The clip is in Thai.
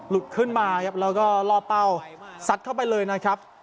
ขึ้นมาครับแล้วก็ล่อเป้าสัดเข้าไปเลยนะครับ